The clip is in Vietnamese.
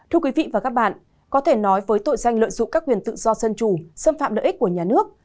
thưa quý vị và các bạn có thể nói với tội danh lợi dụng các quyền tự do dân chủ xâm phạm lợi ích của nhà nước